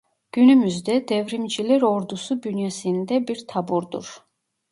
Günümüzde Devrimciler Ordusu bünyesinde bir taburdur.